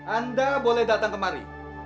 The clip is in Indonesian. anda boleh datang kemari